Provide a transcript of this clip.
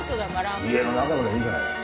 家の中ぐらいいいじゃないか。